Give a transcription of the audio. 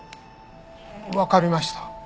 わかりました。